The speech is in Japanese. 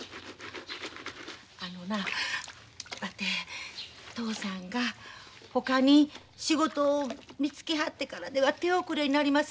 あのなわて嬢さんがほかに仕事を見つけはってからでは手遅れになります